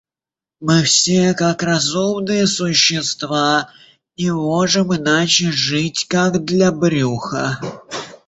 Мы все, как разумные существа, не можем иначе жить, как для брюха.